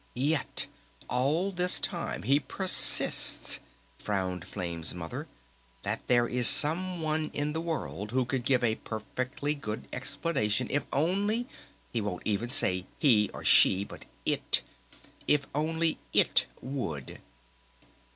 "Yet all the time he persists," frowned Flame's Mother, "that there is some one in the world who can give a perfectly good explanation if only, he won't even say 'he or she' but 'it', if only 'it' would."